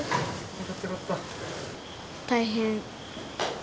大変。